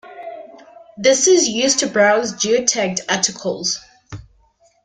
This is used to browse geotagged articles.